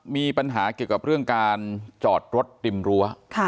มีปัญหาเกี่ยวกับเรื่องการจอดรถริมรั้ว